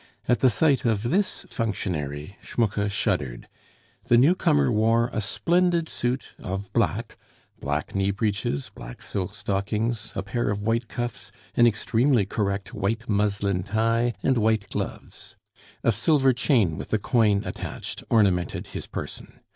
At the sight of this functionary Schmucke shuddered. The newcomer wore a splendid suit of black, black knee breeches, black silk stockings, a pair of white cuffs, an extremely correct white muslin tie, and white gloves. A silver chain with a coin attached ornamented his person.